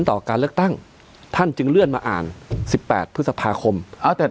ต่อการเลือกตั้งท่านจึงเลื่อนมาอ่านสิบแปดพฤษภาคมเอาแต่